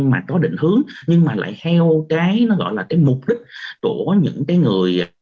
mà có định hướng nhưng mà lại theo cái nó gọi là cái mục đích của những cái người